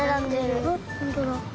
あっほんとだ。